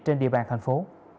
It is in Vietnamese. trên địa bàn thành phố